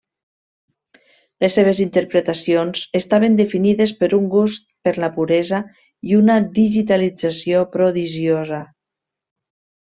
Les seves interpretacions estaven definides per un gust per la puresa i una digitalització prodigiosa.